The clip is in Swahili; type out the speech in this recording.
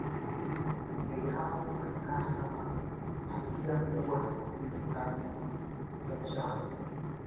Ndege hao huonekana kama pazia kubwa jeupe nyakati za mchana